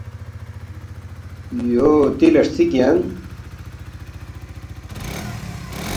یو تِلے ہرژِک ینگ